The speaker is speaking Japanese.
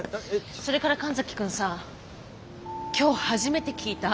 それから神崎君さ今日初めて聞いた？